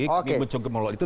kami mencukupi melalui itu